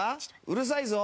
うるさいぞ！